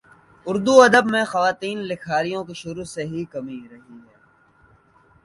اردو ادب میں خواتین لکھاریوں کی شروع ہی سے کمی رہی ہے